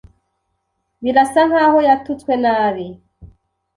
Birasa nkaho yatutswe nabi.